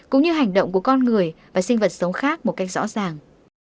cũng như hành động của con người và sinh vật sống khác một cách rõ ràng